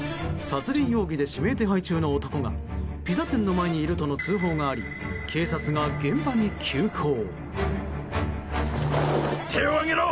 殺人容疑で指名手配中の男がピザ店の前にいるとの通報があり警察が現場に急行。